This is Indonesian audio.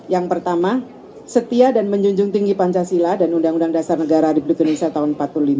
yang pertama setia dan menjunjung tinggi pancasila dan undang undang dasar negara republik indonesia tahun seribu sembilan ratus empat puluh lima